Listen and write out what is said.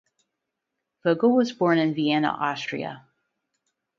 Vogel was born in Vienna, Austria.